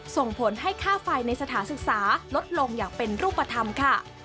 ส่งผลให้ค่าไฟในสถานศึกษาลดลงอย่างเป็นรูปธรรมค่ะ